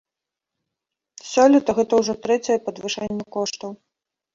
Сёлета гэта ўжо трэцяе падвышэнне коштаў.